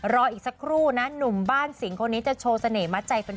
รออีกสักครู่นะหนุ่มบ้านสิงคนนี้จะโชว์เสน่หมัดใจแฟน